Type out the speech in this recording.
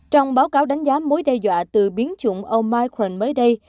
trong báo cáo đánh giá mối đe dọa từ biến chủng omicren mới đây